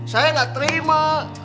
saya gak terima